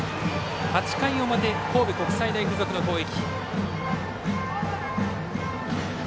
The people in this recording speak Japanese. ８回表、神戸国際大付属の攻撃。